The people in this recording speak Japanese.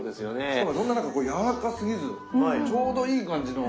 しかもそんなやわらかすぎずちょうどいい感じの。